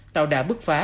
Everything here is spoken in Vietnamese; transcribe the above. tạo đảm bức phá